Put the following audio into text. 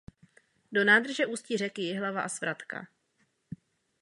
Do nádrže ústí řeky Jihlava a Svratka.